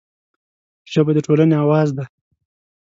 ژبه د ټولنې اواز دی